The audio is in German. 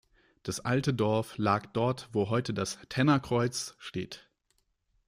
Das alte Dorf lag dort, wo heute das «Tenner Kreuz» steht.